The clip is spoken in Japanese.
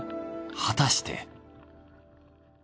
果たして。